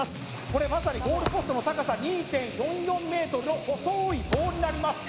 これまさにゴールポストの高さ２．４４ｍの細い棒になります